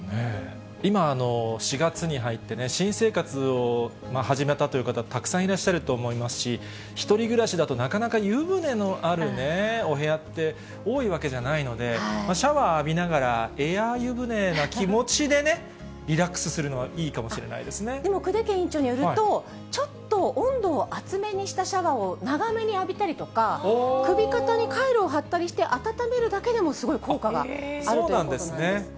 今、４月に入ってね、新生活を始めたという方、たくさんいらっしゃると思いますし、１人暮らしだとなかなか湯船のあるね、お部屋って、多いわけじゃないので、シャワー浴びながらエアー湯船な気持ちでね、リラックスするのはでも久手堅院長によると、ちょっと温度を熱めにしたシャワーを長めに浴びたりとか、首肩にカイロを貼ったりして温めるだけでもすごい効果があるということなんです。